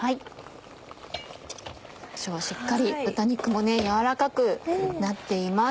しっかり豚肉も軟らかくなっています。